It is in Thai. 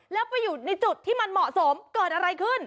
แล้วไปอยู่ในจุดที่มันเหมาะสมเกิดอะไรขึ้น